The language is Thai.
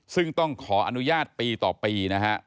ซึ่งต้องขออนุญาตปีต่อปีนะฮะ